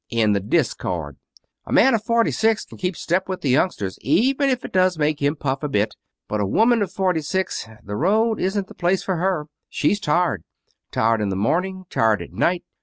In the discard. A man of forty six can keep step with the youngsters, even if it does make him puff a bit. But a woman of forty six the road isn't the place for her. She's tired. Tired in the morning; tired at night.